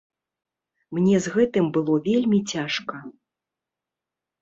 Мне з гэтым было вельмі цяжка.